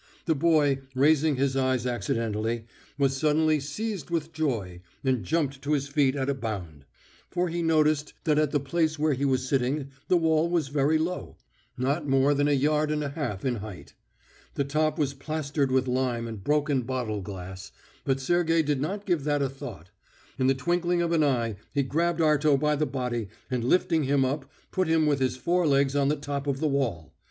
The boy, raising his eyes accidentally, was suddenly seized with joy and jumped to his feet at a bound, for he noticed that at the place where he was sitting the wall was very low, not more than a yard and a half in height. The top was plastered with lime and broken bottle glass, but Sergey did not give that a thought. In the twinkling of an eye he grabbed Arto by the body, and lifting him up put him with his fore legs on the top of the wall.